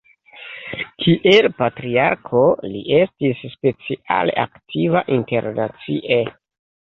Kiel patriarko li estis speciale aktiva internacie.